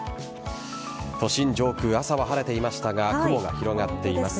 都心上空、朝は晴れていましたが雲が広がっています。